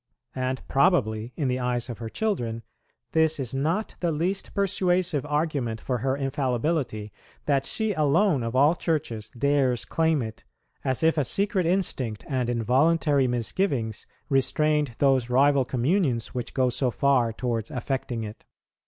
And probably, in the eyes of her children, this is not the least persuasive argument for her infallibility, that she alone of all Churches dares claim it, as if a secret instinct and involuntary misgivings restrained those rival communions which go so far towards affecting it."